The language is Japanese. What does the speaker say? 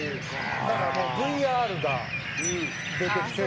だからもうＶＲが出てきてるから。